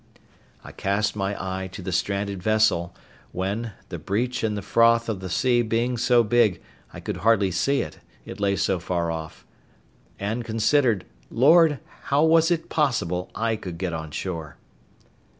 I cast my eye to the stranded vessel, when, the breach and froth of the sea being so big, I could hardly see it, it lay so far of; and considered, Lord! how was it possible I could get on shore?